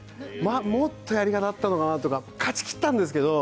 もっとやり方あったのかなとか、勝ち切ったんですけど、